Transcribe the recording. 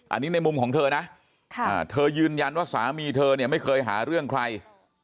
อันนี้ในมุมของเธอนะเธอยืนยันว่าสามีเธอเนี่ยไม่เคยหาเรื่องใคร